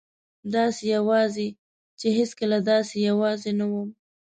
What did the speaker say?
داسې یوازې چې هېڅکله داسې یوازې نه وم.